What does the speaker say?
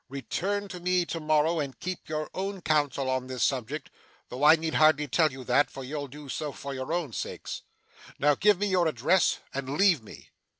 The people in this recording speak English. Return to me to morrow, and keep your own counsel on this subject though I need hardly tell you that; for you'll do so for your own sakes. Now, give me your address, and leave me.